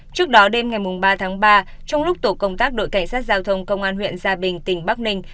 trước đó đêm ngày ba tháng ba trong lúc tổ công tác đội cảnh sát giao thông công an huyện gia bình tỉnh bắc ninh